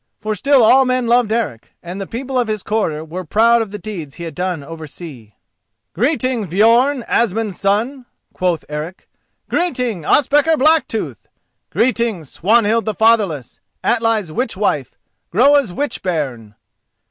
For still all men loved Eric, and the people of his quarter were proud of the deeds he had done oversea. "Greeting, Björn, Asmund's son!" quoth Eric. "Greeting, Ospakar Blacktooth! Greeting, Swanhild the Fatherless, Atli's witch wife—Groa's witch bairn!